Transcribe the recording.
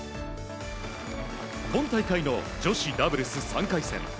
今大会の女子ダブルス３回戦。